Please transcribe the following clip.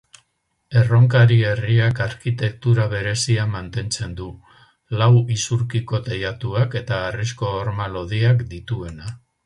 Erronkari herriak arkitektura berezia mantentzen du, lau isurkiko teilatuak eta harrizko horma lodiak dituena.